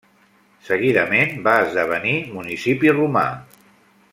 Seguidament va esdevenir municipi romà.